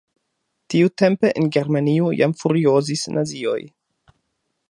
Tiutempe en Germanio jam furiozis nazioj.